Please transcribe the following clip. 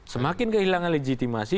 semakin kehilangan legitimasi